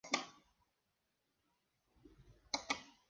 Sarah regresó a Londres y residió en la casa de su hermana Caroline Fox.